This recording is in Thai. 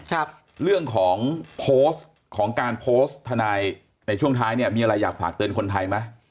ครับเรื่องของโพสต์ของการโพสต์ทนายในช่วงท้ายเนี่ยมีอะไรอยากฝากเตือนคนไทยไหม